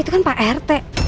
itu kan pak rt